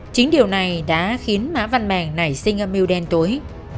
chính điều này đã khiến mã văn màng nảy sinh âm mưu đen tối